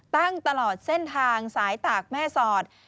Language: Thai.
ตลอดเส้นทางสายตากแม่สอด